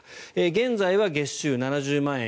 現在は月収７０万円。